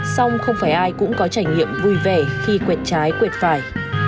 song không phải ai cũng có trải nghiệm vui vẻ khi quẹt trái quẹt phải